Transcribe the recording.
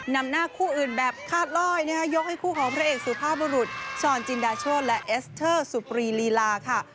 นำหน้าคู่อื่นแบบคาดลอยยกให้คู่ของพระเอกสุภาพบุรุษชรจินดาโชธและเอสเตอร์สุปรีลีลาค่ะ